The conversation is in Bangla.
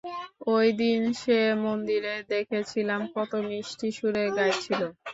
ওই দিন যে মন্দিরে দেখেছিলাম কতো মিষ্টি সুরে গাইছিলো।